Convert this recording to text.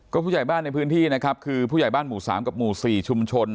ผู้ใหญ่บ้านในพื้นที่นะครับคือผู้ใหญ่บ้านหมู่๓กับหมู่๔ชุมชน